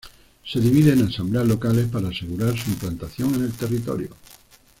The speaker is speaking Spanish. Se divide en Asambleas Locales para asegurar su implantación en el territorio.